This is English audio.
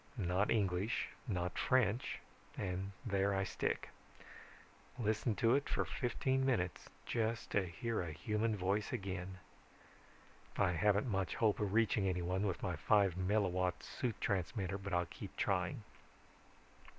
Not English, not French, and there I stick. Listened to it for fifteen minutes just to hear a human voice again. I haven't much hope of reaching anyone with my five milliwatt suit transmitter but I'll keep trying.